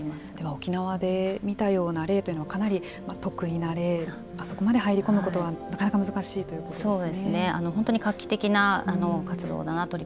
沖縄で見たような例というのはかなり特異な例あそこまで入り込むというのはなかなか難しいということですね。